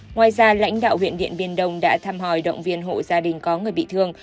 ngoài ra lãnh đạo huyện điện biên đông đã thăm hỏi động viên hộ gia đình có người bị thương